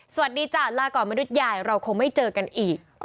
สวัสดีจ้ะลาก่อนมนุษย์ใหญ่เราคงไม่เจอกันอีก